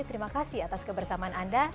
terima kasih atas kebersamaan anda